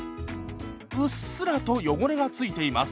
うっすらと汚れが付いています。